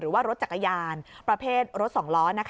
หรือว่ารถจักรยานประเภทรถ๒ล้อ